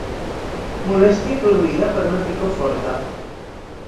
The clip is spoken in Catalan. Molèstia produïda per una picor forta.